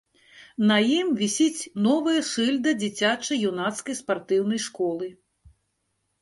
На ім вісіць новая шыльда дзіцяча-юнацкай спартыўнай школы.